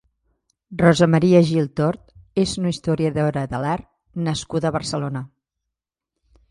Rosa Maria Gil Tort és una historiadora de l'art nascuda a Barcelona.